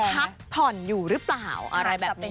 อาจจะเป็นการพักผ่อนอยู่หรือเปล่าอะไรแบบนี้